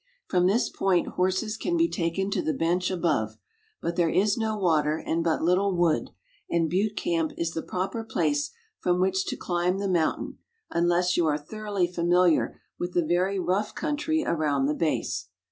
From this point horses can be taken to the bench above, i)ut there is no water and but little wood, and Butte camp is the pro[)er place from which to climb the mountain unless you are thoroughly familiar with the very rough country around the base.